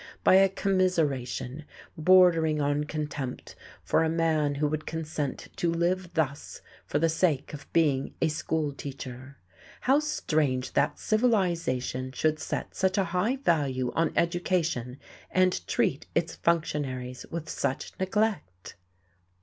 by a commiseration bordering on contempt for a man who would consent to live thus for the sake of being a schoolteacher. How strange that civilization should set such a high value on education and treat its functionaries with such neglect!